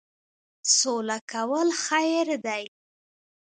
سوله کول خیر دی